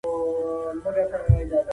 ډیپلوماټان د ستونزو حل لټوي.